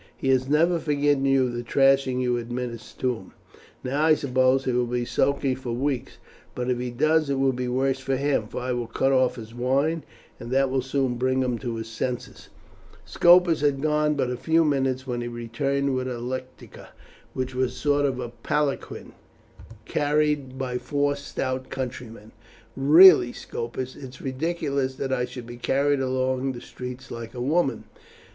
He has never forgiven you the thrashing you administered to him. Now I suppose he will be sulky for weeks; but if he does it will be worse for him, for I will cut off his wine, and that will soon bring him to his senses." Scopus had gone but a few minutes when he returned with a lectica, which was a sort of palanquin, carried by four stout countrymen. "Really, Scopus, it is ridiculous that I should be carried along the streets like a woman."